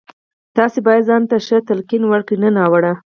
تاسې بايد ځان ته ښه تلقين وکړئ نه ناوړه.